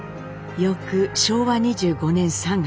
翌昭和２５年３月。